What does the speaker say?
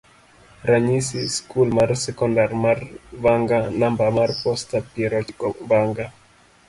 ranyisi, skul mar sekondar mar Vanga, namba mar posta, piero chiko Vanga